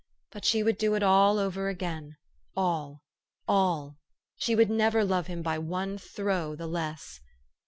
But she would do it all over again, all, all ! She would never love him by one throe the less.